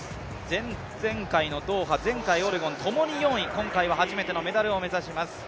前々回のドーハ、前回のオレゴン、ともに４位、今回は初めてのメダルを目指します。